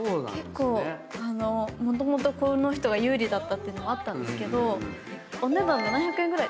結構もともとこの人が有利だったのもあったんですけどお値段７００円ぐらいでしたよね。